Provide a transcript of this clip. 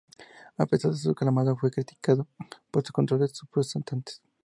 A pesar de ser aclamado, fue criticado por sus controles frustrantes.